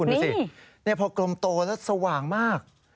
ดูสิพอกลมโตแล้วสว่างมาก